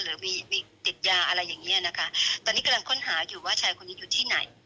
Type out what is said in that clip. หรือมีมีติดยาอะไรอย่างเงี้ยนะคะตอนนี้กำลังค้นหาอยู่ว่าชายคนนี้อยู่ที่ไหน